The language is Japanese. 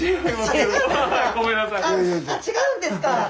違うんですか？